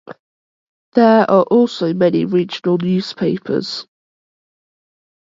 There are also many regional newspapers.